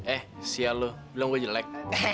eh sia lu bilang gue jelek